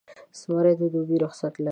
زمری د دوبي رخصتۍ لري.